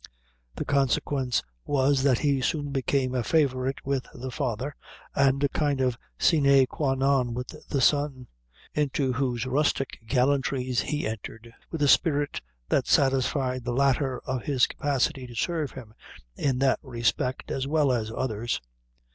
The consequence was, that he soon became a favorite with the father, and a kind of sine qua non with the son, into whose rustic gallantries he entered, with a spirit that satisfied the latter of his capacity to serve him in that respect as well as others.